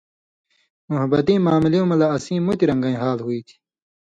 موحبتِیں معاملیُوں مہ لہ اسیں مُتیۡ رن٘گَیں حال ہُوئ تھی۔